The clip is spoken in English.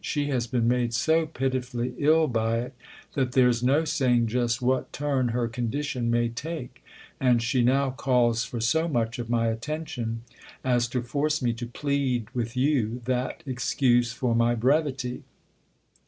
" She has been made so pitifully ill by it that there's no saying just what turn her condition may take, and she now calls for so much of my attention as to force me to plead, with you, that excuse for my brevity.